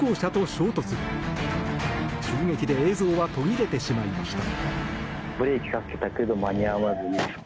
衝撃で映像は途切れてしまいました。